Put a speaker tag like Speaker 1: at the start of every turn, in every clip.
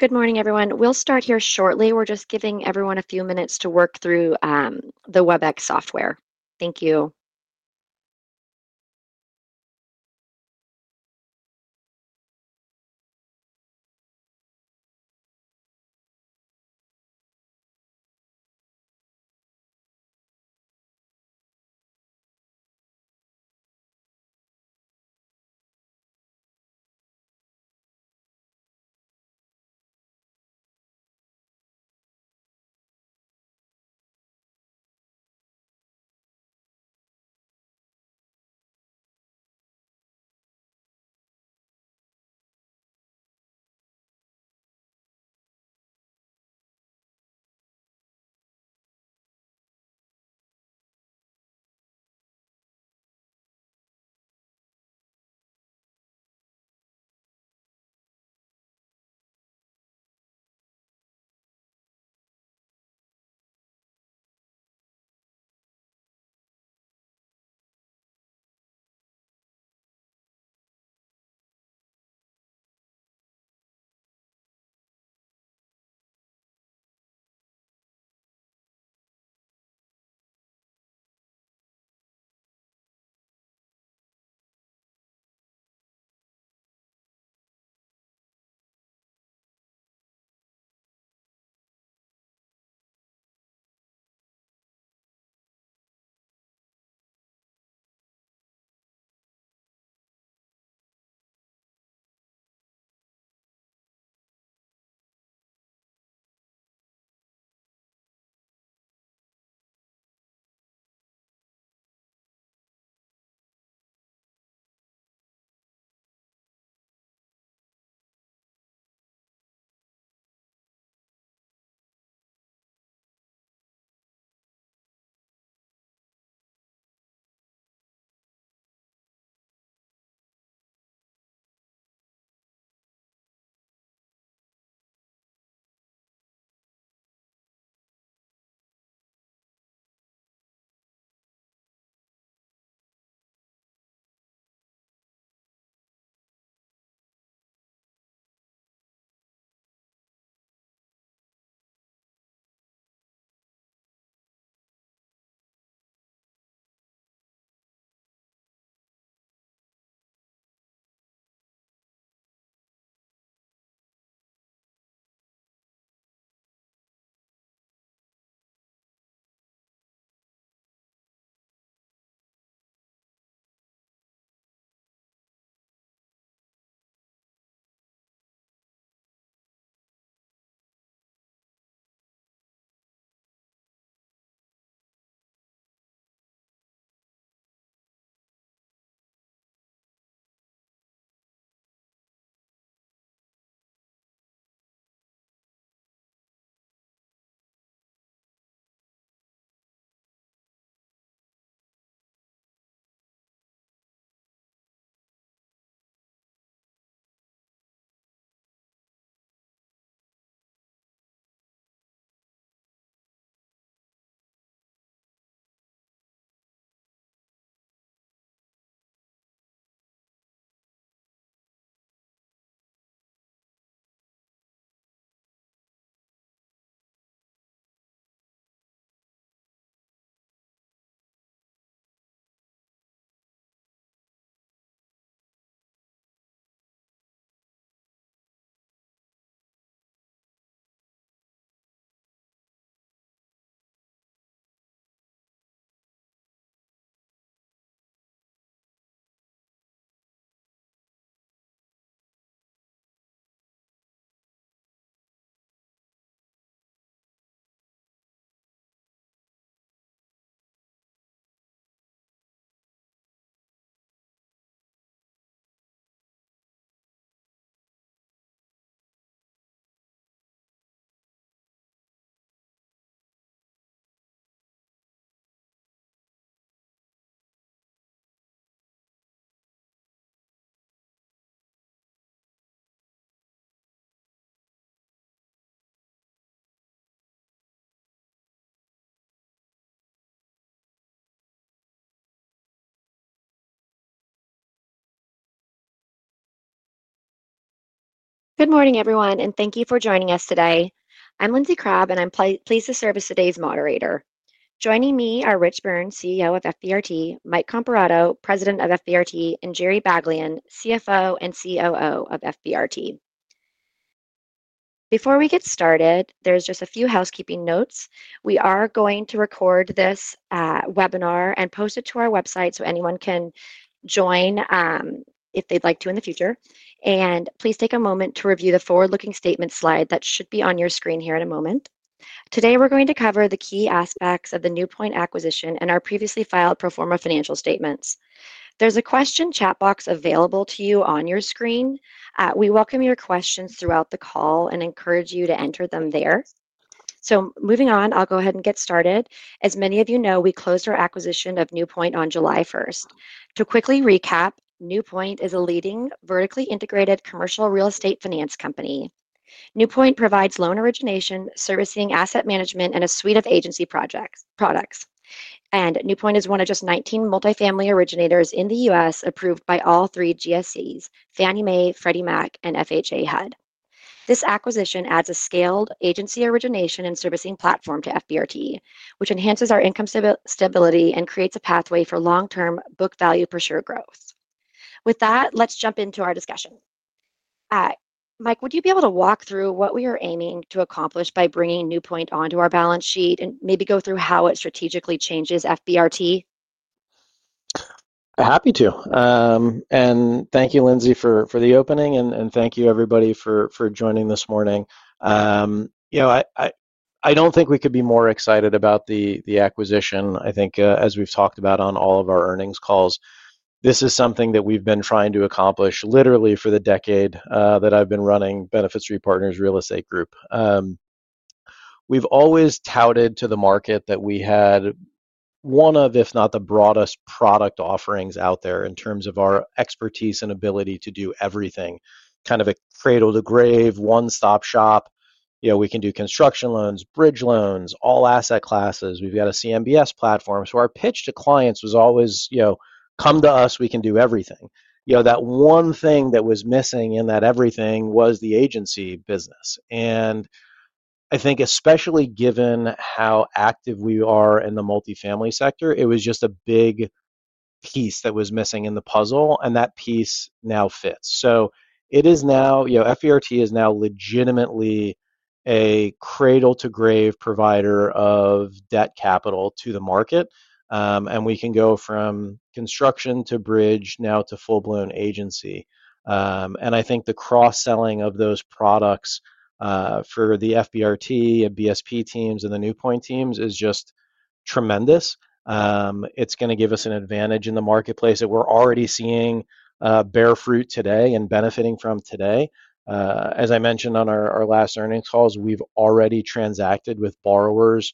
Speaker 1: Good morning, everyone. We'll start here shortly. We're just giving everyone a few minutes to work through the Webex software. Thank you. Good morning, everyone, and thank you for joining us today. I'm Lindsey Crabbe, and I'm pleased to serve as today's moderator. Joining me are Richard Byrne, CEO of Franklin BSP Realty Trust, Michael Comparato, President of Franklin BSP Realty Trust, and Jerome Baglien, CFO and COO of Franklin BSP Realty Trust. Before we get started, there's just a few housekeeping notes. We are going to record this webinar and post it to our website so anyone can join if they'd like to in the future. Please take a moment to review the forward-looking statement slide that should be on your screen here in a moment. Today, we're going to cover the key aspects of the NewPoint Holdings JV LLC acquisition and our previously filed pro forma financial statements. There's a question chat box available to you on your screen. We welcome your questions throughout the call and encourage you to enter them there. Moving on, I'll go ahead and get started. As many of you know, we closed our acquisition of NewPoint Holdings JV LLC on July 1. To quickly recap, NewPoint Holdings JV LLC is a leading vertically integrated commercial real estate finance company. NewPoint Holdings JV LLC provides loan origination, servicing, asset management, and a suite of agency lending products. NewPoint Holdings JV LLC is one of just 19 multifamily originators in the U.S. approved by all three GSEs: Fannie Mae, Freddie Mac, and FHA/HUD. This acquisition adds a scaled agency origination and servicing platform to Franklin BSP Realty Trust, which enhances our income stability and creates a pathway for long-term book value per share growth. With that, let's jump into our discussion. Michael, would you be able to walk through what we are aiming to accomplish by bringing NewPoint Holdings JV LLC onto our balance sheet and maybe go through how it strategically changes Franklin BSP Realty Trust?
Speaker 2: Happy to. Thank you, Lindsey, for the opening, and thank you, everybody, for joining this morning. I don't think we could be more excited about the acquisition. I think, as we've talked about on all of our earnings calls, this is something that we've been trying to accomplish literally for the decade that I've been running Franklin BSP Realty Trust. We've always touted to the market that we had one of, if not the broadest product offerings out there in terms of our expertise and ability to do everything, kind of a cradle to grave, one-stop shop. We can do construction loans, bridge loans, all asset classes. We've got a CMBS platform. Our pitch to clients was always, come to us, we can do everything. The one thing that was missing in that everything was the agency business. I think, especially given how active we are in the multifamily sector, it was just a big piece that was missing in the puzzle, and that piece now fits. Franklin BSP Realty Trust is now legitimately a cradle-to-grave provider of debt capital to the market, and we can go from construction to bridge now to full-blown agency. I think the cross-selling of those products, for the Franklin BSP Realty Trust, BSP teams, and the NewPoint teams is just tremendous. It's going to give us an advantage in the marketplace that we're already seeing bear fruit today and benefiting from today. As I mentioned on our last earnings calls, we've already transacted with borrowers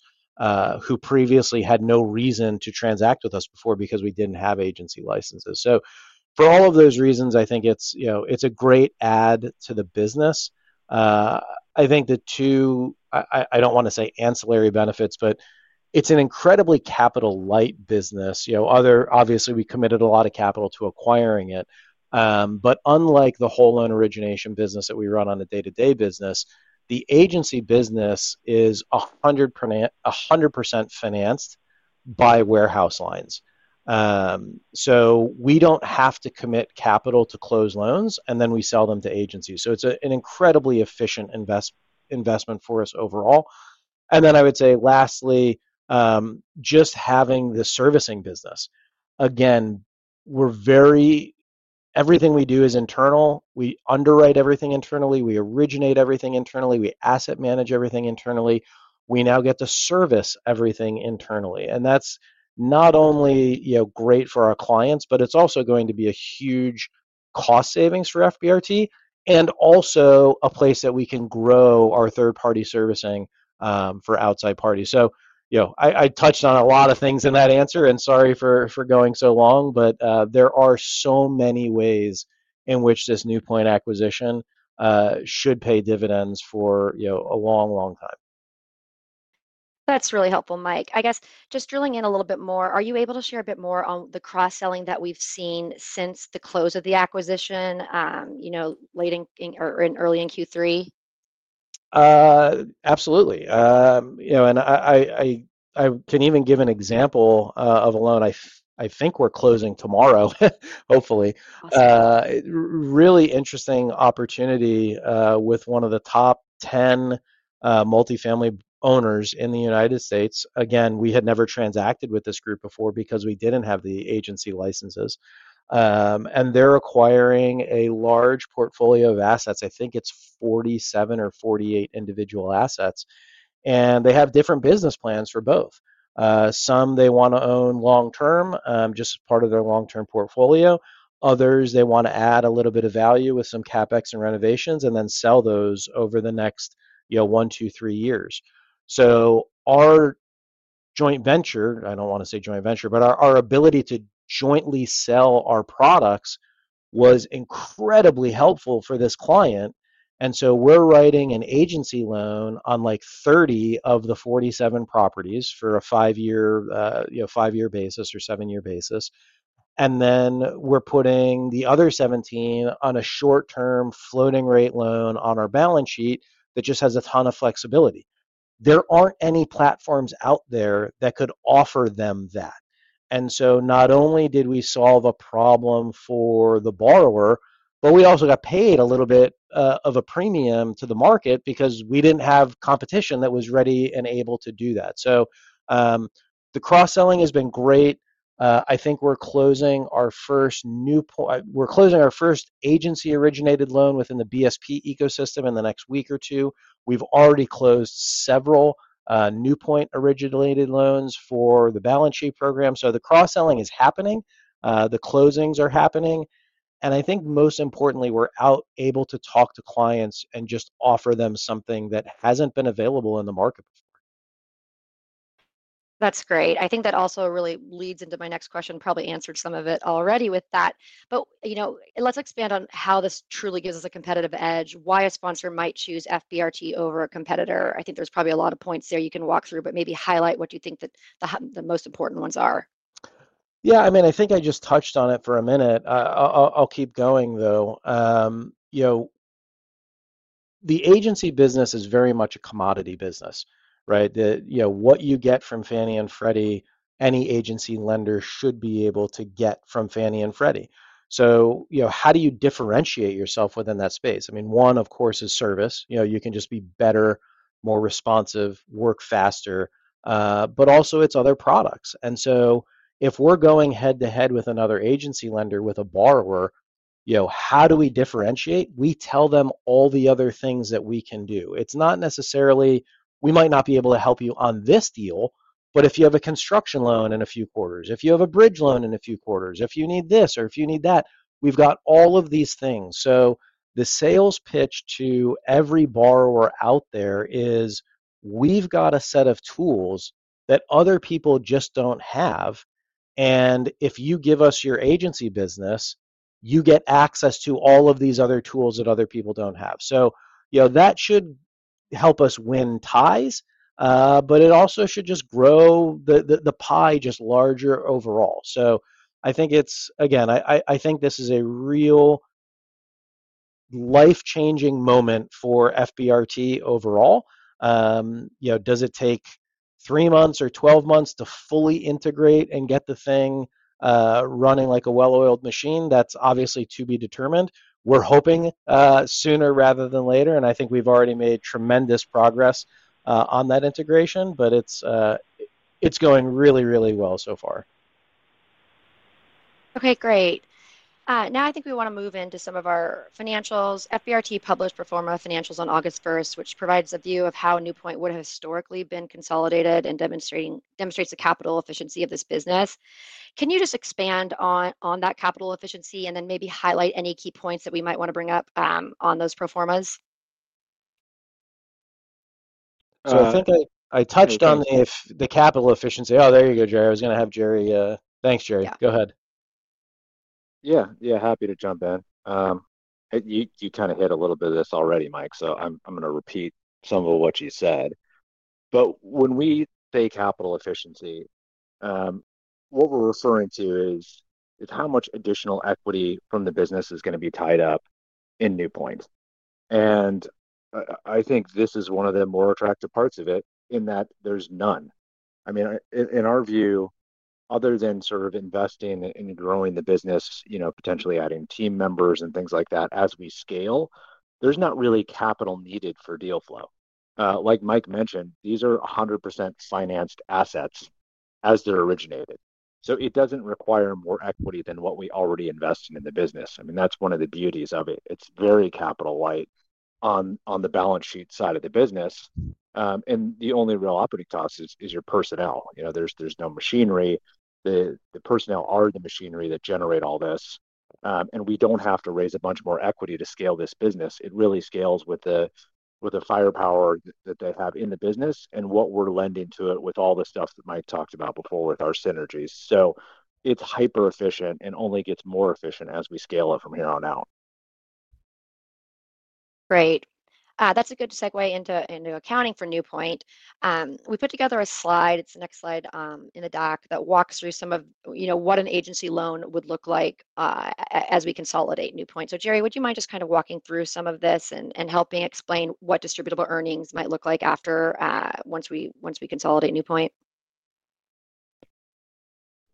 Speaker 2: who previously had no reason to transact with us before because we didn't have agency licenses. For all of those reasons, I think it's a great add to the business. I think the two, I don't want to say ancillary benefits, but it's an incredibly capital-light business. Obviously, we committed a lot of capital to acquiring it, but unlike the whole loan origination business that we run on a day-to-day basis, the agency business is 100% financed by warehouse lines. We don't have to commit capital to close loans, and then we sell them to agencies. It's an incredibly efficient investment for us overall. Lastly, just having the servicing business. Again, everything we do is internal. We underwrite everything internally. We originate everything internally. We asset manage everything internally. We now get to service everything internally. That's not only great for our clients, but it's also going to be a huge cost savings for Franklin BSP Realty Trust and also a place that we can grow our third-party servicing for outside parties. I touched on a lot of things in that answer, and sorry for going so long, but there are so many ways in which this NewPoint acquisition should pay dividends for a long, long time.
Speaker 1: That's really helpful, Mike. I guess just drilling in a little bit more, are you able to share a bit more on the cross-selling that we've seen since the close of the acquisition, you know, late in or early in Q3?
Speaker 2: Absolutely. You know, I can even give an example of a loan I think we're closing tomorrow, hopefully. Really interesting opportunity with one of the top 10 multifamily owners in the U.S. Again, we had never transacted with this group before because we didn't have the agency licenses, and they're acquiring a large portfolio of assets. I think it's 47 or 48 individual assets, and they have different business plans for both. Some they want to own long term, just as part of their long-term portfolio. Others, they want to add a little bit of value with some CapEx and renovations and then sell those over the next 1, 2, 3 years. Our ability to jointly sell our products was incredibly helpful for this client. We're writing an agency loan on like 30 of the 47 properties for a 5-year or 7-year basis, and then we're putting the other 17 on a short-term floating-rate loan on our balance sheet that just has a ton of flexibility. There aren't any platforms out there that could offer them that. Not only did we solve a problem for the borrower, but we also got paid a little bit of a premium to the market because we didn't have competition that was ready and able to do that. The cross-selling has been great. I think we're closing our first NewPoint, we're closing our first agency-originated loan within the BSP ecosystem in the next week or two. We've already closed several NewPoint-originated loans for the balance sheet program. The cross-selling is happening, the closings are happening, and I think most importantly, we're able to talk to clients and just offer them something that hasn't been available in the market.
Speaker 1: That's great. I think that also really leads into my next question, probably answered some of it already with that. Let's expand on how this truly gives us a competitive edge, why a sponsor might choose Franklin BSP Realty Trust over a competitor. I think there's probably a lot of points there you can walk through, but maybe highlight what you think the most important ones are.
Speaker 2: Yeah, I mean, I think I just touched on it for a minute. I'll keep going, though. You know, the agency business is very much a commodity business, right? You know, what you get from Fannie Mae and Freddie Mac, any agency lender should be able to get from Fannie Mae and Freddie Mac. You know, how do you differentiate yourself within that space? I mean, one, of course, is service. You can just be better, more responsive, work faster, but also it's other products. If we're going head-to-head with another agency lender with a borrower, you know, how do we differentiate? We tell them all the other things that we can do. It's not necessarily, we might not be able to help you on this deal, but if you have a construction loan in a few quarters, if you have a bridge loan in a few quarters, if you need this or if you need that, we've got all of these things. The sales pitch to every borrower out there is we've got a set of tools that other people just don't have. If you give us your agency business, you get access to all of these other tools that other people don't have. That should help us win ties, but it also should just grow the pie just larger overall. I think it's, again, I think this is a real life-changing moment for Franklin BSP Realty Trust overall. You know, does it take 3 months or 12 months to fully integrate and get the thing running like a well-oiled machine? That's obviously to be determined. We're hoping sooner rather than later. I think we've already made tremendous progress on that integration, but it's going really, really well so far.
Speaker 1: Okay, great. Now I think we want to move into some of our financials. FBRT published pro forma financials on August 1, which provides a view of how NewPoint would have historically been consolidated and demonstrates the capital efficiency of this business. Can you just expand on that capital efficiency and then maybe highlight any key points that we might want to bring up on those pro formas?
Speaker 2: I think I touched on the capital efficiency. There you go, Jerry. I was going to have Jerry, thanks, Jerry, go ahead.
Speaker 3: Yeah, happy to jump in. You kind of hit a little bit of this already, Mike, so I'm going to repeat some of what you said. When we say capital efficiency, what we're referring to is how much additional equity from the business is going to be tied up in NewPoint. I think this is one of the more attractive parts of it in that there's none. In our view, other than sort of investing in growing the business, you know, potentially adding team members and things like that as we scale, there's not really capital needed for deal flow. Like Mike mentioned, these are 100% financed assets as they're originated. It doesn't require more equity than what we already invest in the business. That's one of the beauties of it. It's very capital light on the balance sheet side of the business, and the only real operating cost is your personnel. There's no machinery. The personnel are the machinery that generate all this, and we don't have to raise a bunch more equity to scale this business. It really scales with the firepower that they have in the business and what we're lending to it with all the stuff that Mike talked about before with our synergies. It's hyper-efficient and only gets more efficient as we scale it from here on out.
Speaker 1: Great. That's a good segue into accounting for NewPoint. We put together a slide, it's the next slide in the doc, that walks through some of what an agency loan would look like as we consolidate NewPoint. Jerry, would you mind just kind of walking through some of this and helping explain what distributable earnings might look like after, once we consolidate NewPoint?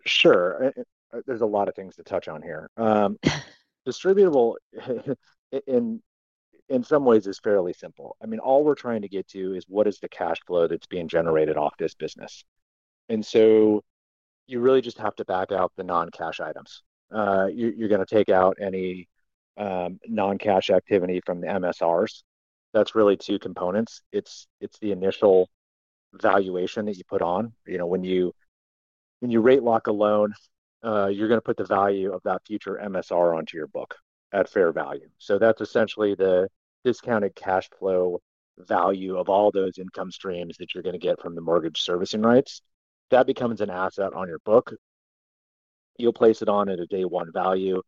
Speaker 3: Sure. There's a lot of things to touch on here. Distributable, in some ways, is fairly simple. I mean, all we're trying to get to is what is the cash flow that's being generated off this business. You really just have to back out the non-cash items. You're going to take out any non-cash activity from the MSRs. That's really two components. It's the initial valuation that you put on. You know, when you rate lock a loan, you're going to put the value of that future MSR onto your book at fair value. That's essentially the discounted cash flow value of all those income streams that you're going to get from the mortgage servicing rights. That becomes an asset on your book. You'll place it on at a day one value.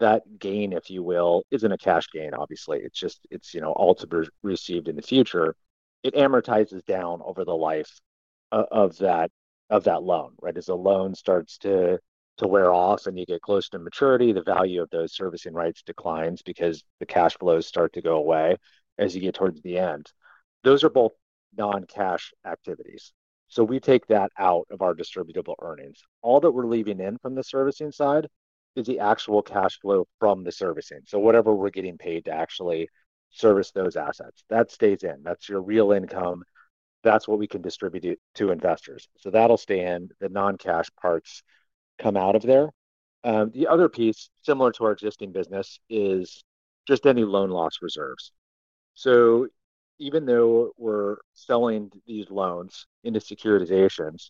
Speaker 3: That gain, if you will, isn't a cash gain, obviously. It's all to be received in the future. It amortizes down over the life of that loan, right? As the loan starts to wear off and you get close to maturity, the value of those servicing rights declines because the cash flows start to go away as you get towards the end. Those are both non-cash activities. We take that out of our distributable earnings. All that we're leaving in from the servicing side is the actual cash flow from the servicing. Whatever we're getting paid to actually service those assets, that stays in. That's your real income. That's what we can distribute to investors. That'll stay in. The non-cash parts come out of there. The other piece, similar to our existing business, is just any loan loss reserves. Even though we're selling these loans into securitizations,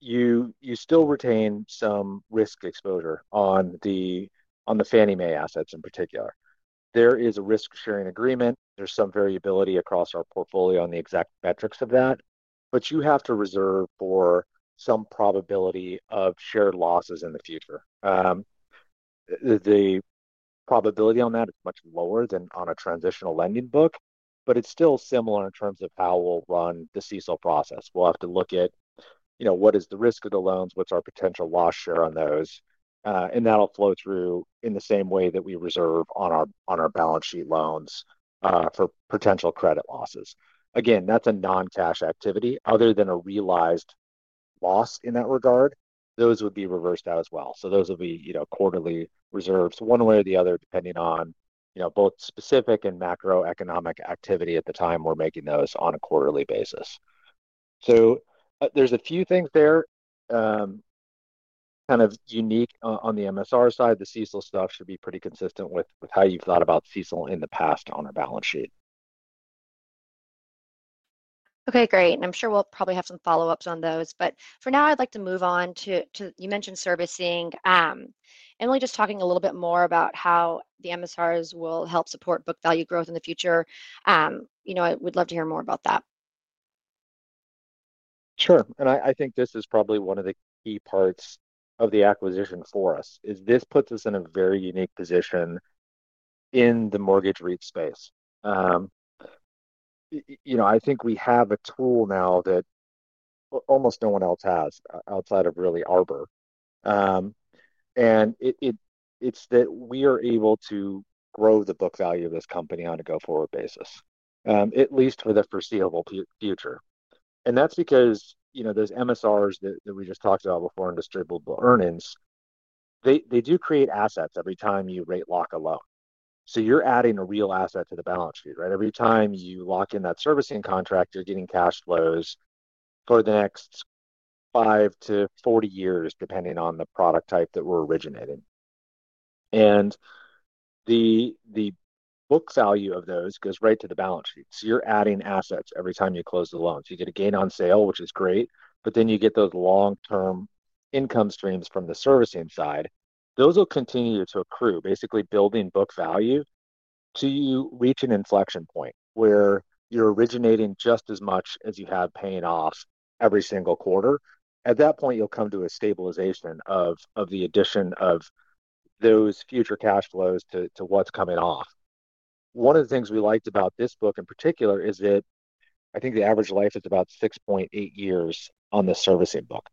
Speaker 3: you still retain some risk exposure on the Fannie Mae assets in particular. There is a risk-sharing agreement. There's some variability across our portfolio on the exact metrics of that. You have to reserve for some probability of shared losses in the future. The probability on that is much lower than on a transitional lending book, but it's still similar in terms of how we'll run the CCL process. We'll have to look at what is the risk of the loans, what's our potential loss share on those, and that'll flow through in the same way that we reserve on our balance sheet loans for potential credit losses. Again, that's a non-cash activity. Other than a realized loss in that regard, those would be reversed out as well. Those would be quarterly reserves one way or the other depending on both specific and macro-economic activity at the time we're making those on a quarterly basis. There's a few things there, kind of unique on the MSR side. The CCL stuff should be pretty consistent with how you've thought about CCL in the past on a balance sheet.
Speaker 1: Okay, great. I'm sure we'll probably have some follow-ups on those. For now, I'd like to move on to you mentioned servicing, and just talking a little bit more about how the MSRs will help support book value growth in the future. You know, I would love to hear more about that.
Speaker 3: Sure. I think this is probably one of the key parts of the acquisition for us. This puts us in a very unique position in the mortgage REIT space. I think we have a tool now that almost no one else has outside of really Arbor. It's that we are able to grow the book value of this company on a go-forward basis, at least for the foreseeable future. That's because those MSRs that we just talked about before in distributable earnings, they do create assets every time you rate lock a loan. You're adding a real asset to the balance sheet, right? Every time you lock in that servicing contract, you're getting cash flows for the next 5 to 40 years, depending on the product type that we're originating. The book value of those goes right to the balance sheet. You're adding assets every time you close the loan. You get a gain on sale, which is great, but then you get those long-term income streams from the servicing side. Those will continue to accrue, basically building book value until you reach an inflection point where you're originating just as much as you have paying off every single quarter. At that point, you'll come to a stabilization of the addition of those future cash flows to what's coming off. One of the things we liked about this book in particular is that I think the average life is about 6.8 years on the servicing book,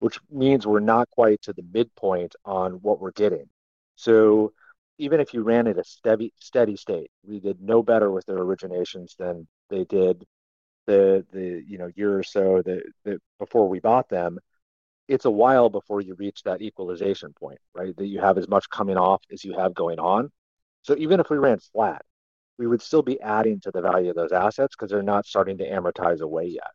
Speaker 3: which means we're not quite to the midpoint on what we're getting. Even if you ran at a steady state, we did no better with their originations than they did the year or so before we bought them. It's a while before you reach that equalization point, that you have as much coming off as you have going on. Even if we ran flat, we would still be adding to the value of those assets because they're not starting to amortize away yet.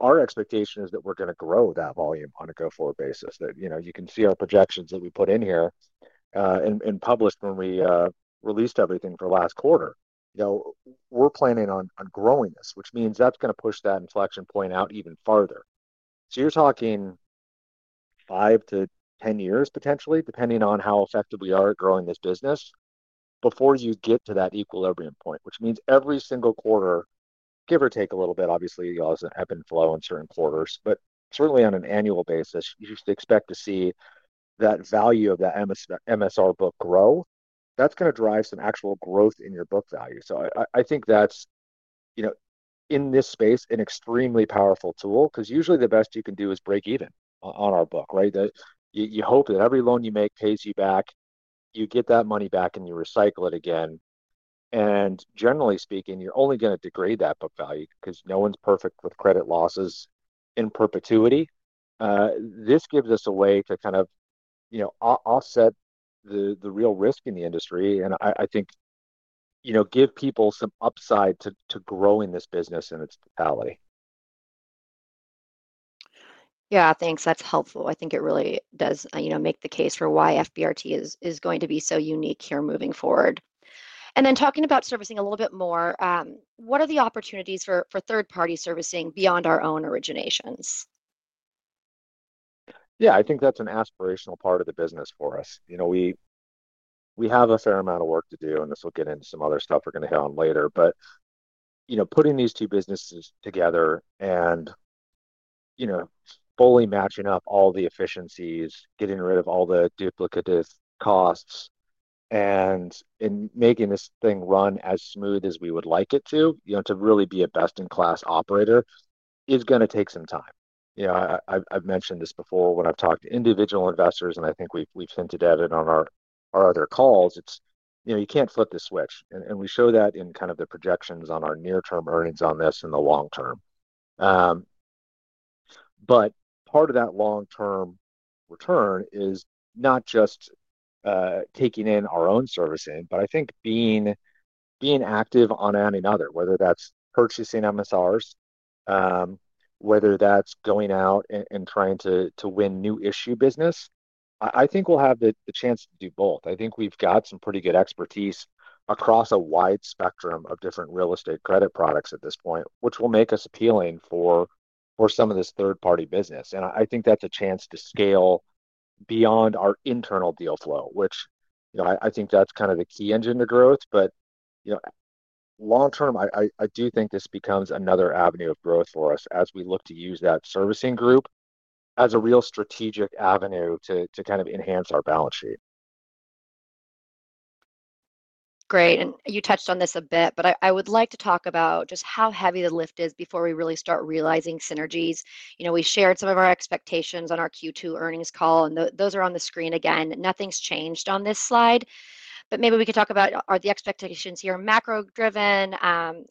Speaker 3: Our expectation is that we're going to grow that volume on a go-forward basis. You can see our projections that we put in here and published when we released everything for last quarter. We're planning on growing this, which means that's going to push that inflection point out even farther. You're talking 5 to 10 years, potentially, depending on how effective we are at growing this business before you get to that equilibrium point, which means every single quarter, give or take a little bit, obviously, you all's ebb and flow in certain quarters, but certainly on an annual basis, you should expect to see that value of that MSR book grow. That's going to drive some actual growth in your book value. I think that's, you know, in this space, an extremely powerful tool because usually the best you can do is break even on our book, right? You hope that every loan you make pays you back. You get that money back and you recycle it again. Generally speaking, you're only going to degrade that book value because no one's perfect with credit losses in perpetuity. This gives us a way to kind of, you know, offset the real risk in the industry. I think, you know, give people some upside to growing this business in its totality.
Speaker 1: Yeah, thanks. That's helpful. I think it really does make the case for why Franklin BSP Realty Trust is going to be so unique here moving forward. Talking about servicing a little bit more, what are the opportunities for third-party servicing beyond our own originations?
Speaker 3: Yeah, I think that's an aspirational part of the business for us. We have a fair amount of work to do, and this will get into some other stuff we're going to hit on later. Putting these two businesses together and fully matching up all the efficiencies, getting rid of all the duplicative costs, and making this thing run as smooth as we would like it to, to really be a best-in-class operator is going to take some time. I've mentioned this before when I've talked to individual investors, and I think we've hinted at it on our other calls. You can't flip the switch. We show that in the projections on our near-term earnings on this in the long term. Part of that long-term return is not just taking in our own servicing, but I think being active on any other, whether that's purchasing MSRs, whether that's going out and trying to win new issue business. I think we'll have the chance to do both. I think we've got some pretty good expertise across a wide spectrum of different real estate credit products at this point, which will make us appealing for some of this third-party business. I think that's a chance to scale beyond our internal deal flow, which I think that's kind of the key engine to growth. Long term, I do think this becomes another avenue of growth for us as we look to use that servicing group as a real strategic avenue to enhance our balance sheet.
Speaker 1: Great. You touched on this a bit, but I would like to talk about just how heavy the lift is before we really start realizing synergies. We shared some of our expectations on our Q2 earnings call, and those are on the screen again. Nothing's changed on this slide. Maybe we could talk about, are the expectations here macro-driven? A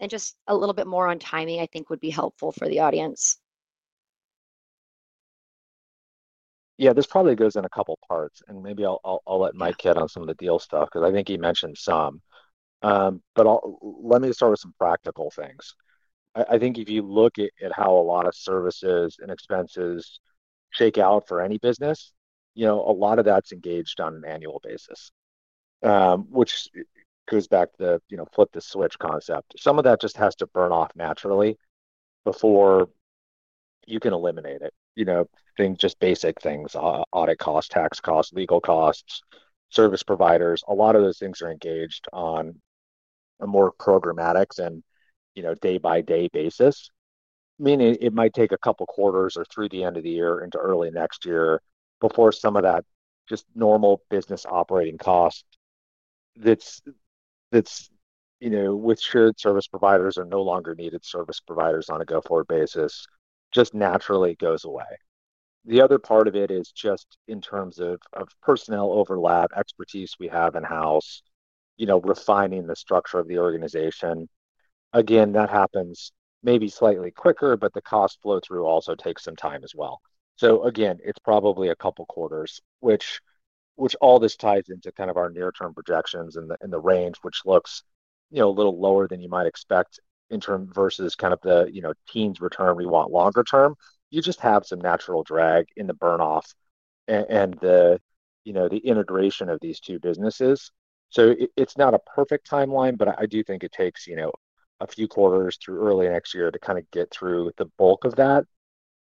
Speaker 1: little bit more on timing, I think, would be helpful for the audience.
Speaker 3: Yeah, this probably goes in a couple of parts, and maybe I'll let Mike hit on some of the deal stuff because I think he mentioned some. Let me start with some practical things. I think if you look at how a lot of services and expenses shake out for any business, a lot of that's engaged on an annual basis, which goes back to the flip-the-switch concept. Some of that just has to burn off naturally before you can eliminate it. Just basic things, audit costs, tax costs, legal costs, service providers, a lot of those things are engaged on a more programmatic and day-by-day basis, meaning it might take a couple of quarters or through the end of the year into early next year before some of that just normal business operating cost that's with shared service providers and no longer needed service providers on a go-forward basis just naturally goes away. The other part of it is just in terms of personnel overlap, expertise we have in-house, refining the structure of the organization. Again, that happens maybe slightly quicker, but the cost flow-through also takes some time as well. It's probably a couple of quarters, which all this ties into kind of our near-term projections and the range, which looks a little lower than you might expect in terms versus kind of the teen's return we want longer term. You just have some natural drag in the burnoff and the integration of these two businesses. It's not a perfect timeline, but I do think it takes a few quarters through early next year to kind of get through the bulk of that.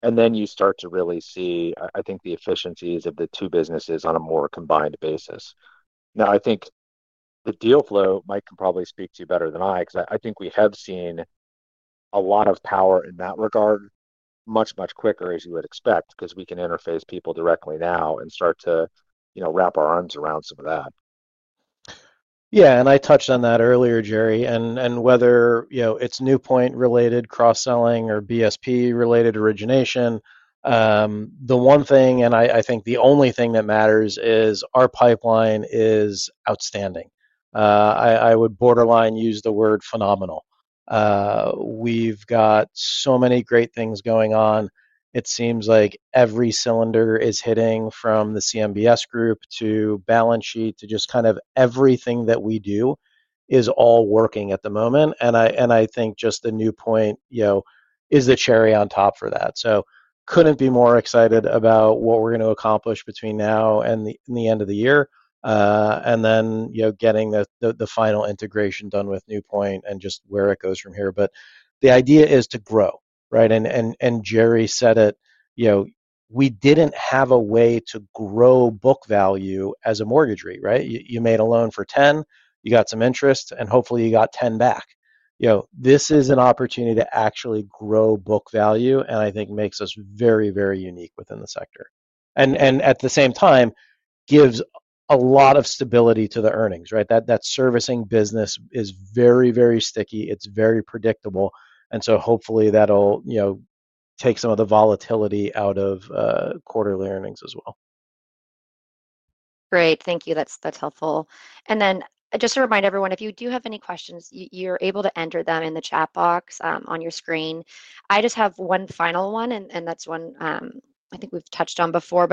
Speaker 3: Then you start to really see, I think, the efficiencies of the two businesses on a more combined basis. I think the deal flow, Mike can probably speak to you better than I because I think we have seen a lot of power in that regard much, much quicker as you would expect because we can interface people directly now and start to wrap our arms around some of that.
Speaker 2: Yeah, and I touched on that earlier, Jerry. Whether it's NewPoint-related cross-selling or BSP-related origination, the one thing, and I think the only thing that matters is our pipeline is outstanding. I would borderline use the word phenomenal. We've got so many great things going on. It seems like every cylinder is hitting from the CMBS group to balance sheet to just kind of everything that we do is all working at the moment. I think just the NewPoint, you know, is the cherry on top for that. Couldn't be more excited about what we're going to accomplish between now and the end of the year, and then, you know, getting the final integration done with NewPoint and just where it goes from here. The idea is to grow, right? Jerry said it, you know, we didn't have a way to grow book value as a mortgage REIT, right? You made a loan for $10, you got some interest, and hopefully you got $10 back. This is an opportunity to actually grow book value, and I think makes us very, very unique within the sector. At the same time, gives a lot of stability to the earnings, right? That servicing business is very, very sticky. It's very predictable. Hopefully that'll, you know, take some of the volatility out of quarterly earnings as well.
Speaker 1: Great. Thank you. That's helpful. Just to remind everyone, if you do have any questions, you're able to enter them in the chat box on your screen. I just have one final one, and that's one I think we've touched on before.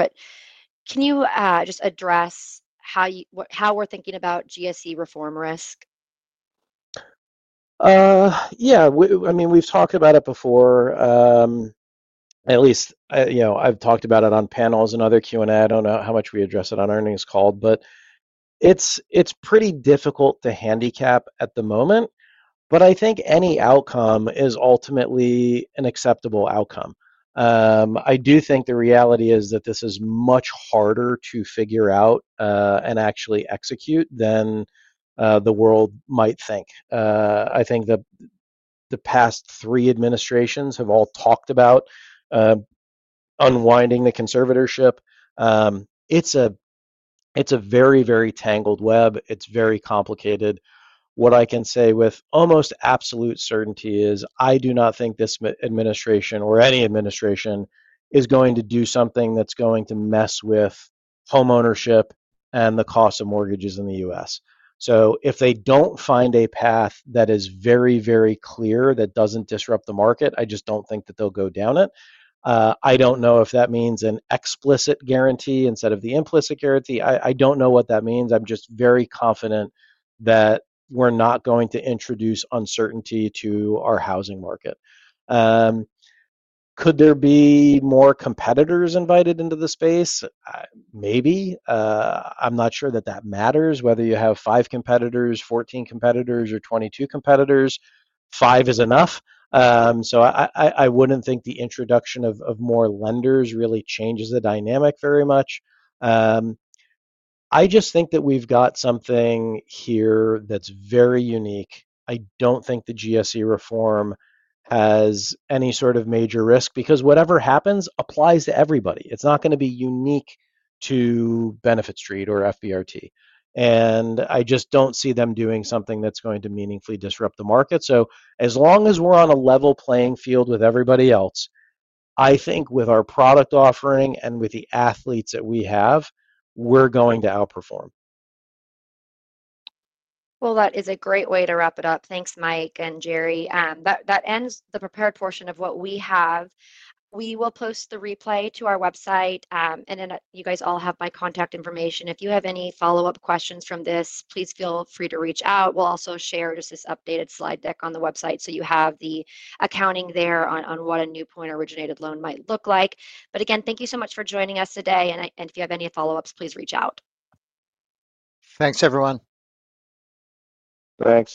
Speaker 1: Can you just address how you how we're thinking about GSE reform risk?
Speaker 2: Yeah. I mean, we've talked about it before. At least, you know, I've talked about it on panels and other Q&A. I don't know how much we address it on earnings calls, but it's pretty difficult to handicap at the moment. I think any outcome is ultimately an acceptable outcome. I do think the reality is that this is much harder to figure out and actually execute than the world might think. The past three administrations have all talked about unwinding the conservatorship. It's a very, very tangled web. It's very complicated. What I can say with almost absolute certainty is I do not think this administration or any administration is going to do something that's going to mess with homeownership and the cost of mortgages in the U.S. If they don't find a path that is very, very clear that doesn't disrupt the market, I just don't think that they'll go down it. I don't know if that means an explicit guarantee instead of the implicit guarantee. I don't know what that means. I'm just very confident that we're not going to introduce uncertainty to our housing market. Could there be more competitors invited into the space? Maybe. I'm not sure that that matters. Whether you have 5 competitors, 14 competitors, or 22 competitors, 5 is enough. I wouldn't think the introduction of more lenders really changes the dynamic very much. I just think that we've got something here that's very unique. I don't think the GSE reform has any sort of major risk because whatever happens applies to everybody. It's not going to be unique to Franklin BSP Realty Trust or FBRT. I just don't see them doing something that's going to meaningfully disrupt the market. As long as we're on a level playing field with everybody else, I think with our product offering and with the athletes that we have, we're going to outperform.
Speaker 1: That is a great way to wrap it up. Thanks, Mike and Jerry. That ends the prepared portion of what we have. We will post the replay to our website, and you guys all have my contact information. If you have any follow-up questions from this, please feel free to reach out. We'll also share this updated slide deck on the website so you have the accounting there on what a NewPoint-originated loan might look like. Again, thank you so much for joining us today. If you have any follow-ups, please reach out.
Speaker 2: Thanks, everyone.
Speaker 3: Thanks.